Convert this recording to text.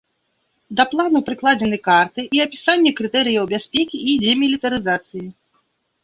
Да плану прыкладзены карты і апісанне крытэрыяў бяспекі і дэмілітарызацыі.